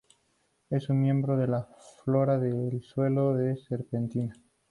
Es un miembro de la flora de los suelos de serpentina.